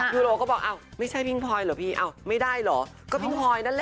ยูโรก็บอกอ้าวไม่ใช่พี่พลอยเหรอพี่อ้าวไม่ได้เหรอก็พี่พลอยนั่นแหละ